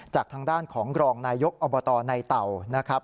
จากทางด้านของรองนายยกอบตในเต่านะครับ